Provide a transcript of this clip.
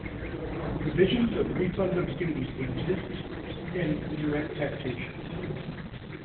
Provisions of refund of duty exists in indirect taxation.